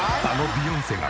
「ビヨンセが？」